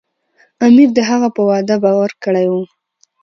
امیر د هغه په وعده باور کړی و.